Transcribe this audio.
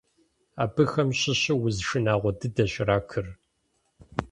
Абыхэм щыщу уз шынагъуэ дыдэщ ракыр.